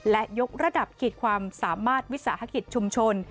และยกระดับขีดความสามารถวิสาหกิจชุมชน